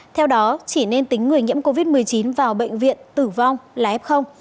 theo đó chỉ nên tính người nhiễm covid một mươi chín vào bệnh viện tử vong là f